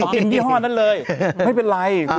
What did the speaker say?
กินยี่ห้อนั้นเลยไม่เป็นไร